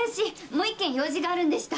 もう１件用事があるんでした。